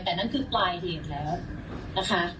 แต่นั่นคือปลายเหตุแล้วนะคะ